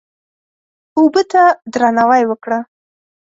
اوبه ته درناوی وکړه.